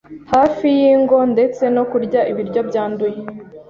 hafi y’ingo ndetse no kurya ibiryo byanduye